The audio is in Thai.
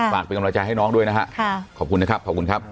เป็นกำลังใจให้น้องด้วยนะฮะขอบคุณนะครับขอบคุณครับ